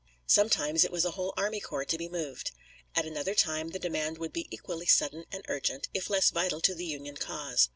Sometimes it was a whole army corps to be moved. At another time the demand would be equally sudden and urgent, if less vital to the Union cause.